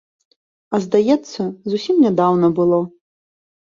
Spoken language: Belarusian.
А, здаецца, зусім нядаўна было.